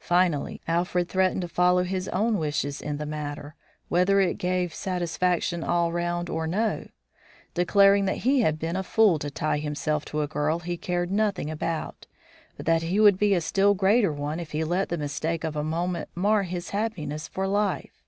Finally, Alfred threatened to follow his own wishes in the matter, whether it gave satisfaction all round or no; declaring that he had been a fool to tie himself to a girl he cared nothing about, but that he would be a still greater one if he let the mistake of a moment mar his happiness for life.